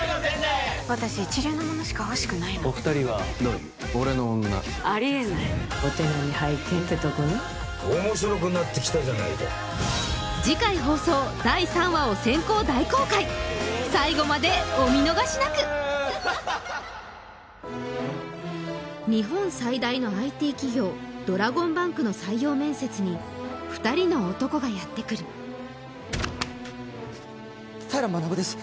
私一流のものしか欲しくないのお二人はどういう俺の女ありえないお手並み拝見ってとこね面白くなってきたじゃないか次回放送最後までお見逃しなく日本最大のＩＴ企業ドラゴンバンクの採用面接に２人の男がやってくる平学です